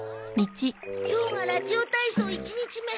今日がラジオ体操１日目。